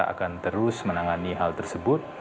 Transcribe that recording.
akan terus menangani hal tersebut